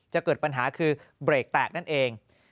จะเกิดปัญหาคือเบรกแตกนั่นเอง